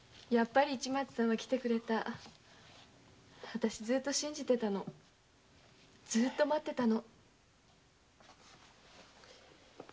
私ずっと信じてたのずっと待ってたの。